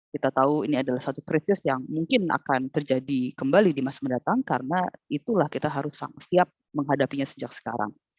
kita tahu ini adalah satu krisis yang mungkin akan terjadi kembali di masa mendatang karena itulah kita harus siap menghadapinya sejak sekarang